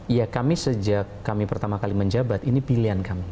iya kami sejak pertama kali menjabat ini pilihan kami